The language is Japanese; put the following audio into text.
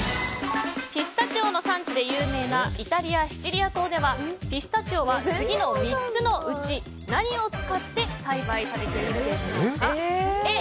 ピスタチオの産地で有名なイタリア・シチリア島ではピスタチオは次の３つのうち何を使って栽培されているでしょうか。